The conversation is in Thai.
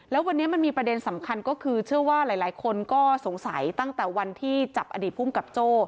แล้ววันนี้มันมีประเด็นสำคัญก็คือเชื่อว่าหลายคนก็สงสัยตั้งแต่วันที่จับอดีตภูมิกับโจ้